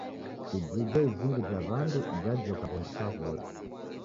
Ijija izungu ja wandu jajoka mghondi shwawori.